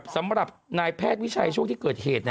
สำหรับนายแพทย์วิชัยช่วงที่เกิดเหตุ